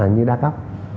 như đa cấp